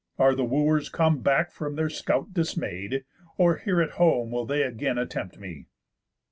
Are the Wooers come Back from their scout dismay'd? Or here at home Will they again attempt me?"